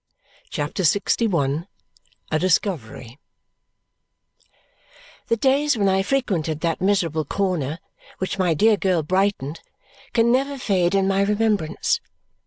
CHAPTER LXI A Discovery The days when I frequented that miserable corner which my dear girl brightened can never fade in my remembrance.